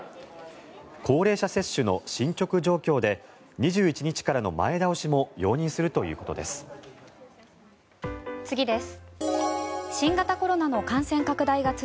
高齢者接種の進ちょく状況で２１日からの前倒しも容認するということです。